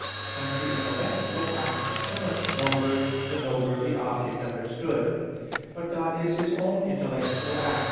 Hence the intellectual act is so much the nobler, the nobler the object understood. But God is His own intellectual act.